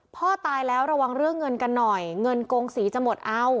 พ่อตายแล้วระวังเรื่องเงินกันหน่อยเงินโกงศรีจะหมดเอา